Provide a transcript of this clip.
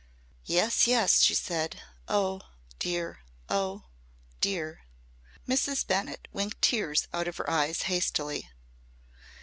"Yes, yes!" she said. "Oh! dear! Oh! dear!" Mrs. Bennett winked tears out of her eyes hastily.